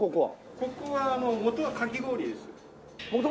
ここは元はかき氷です。